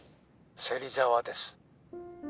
芹沢です。